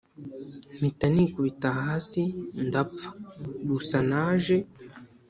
mpitanikubita hasi ndapfa gusa naje